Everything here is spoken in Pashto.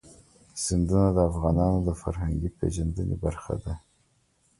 سیندونه د افغانانو د فرهنګي پیژندنې برخه ده.